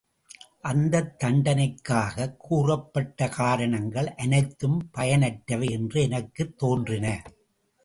அந்தத் தண்டனைக்காகக் கூறப்பட்டக் காரணங்கள் அனைத்தும் பயனற்றவை என்று எனக்குத் தோன்றின.